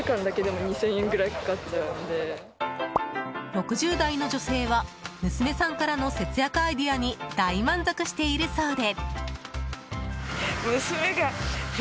６０代の女性は娘さんからの節約アイデアに大満足しているそうで。